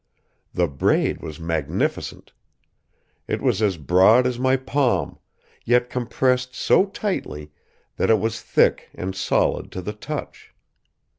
The braid was magnificent. It was as broad as my palm, yet compressed so tightly that it was thick and solid to the touch.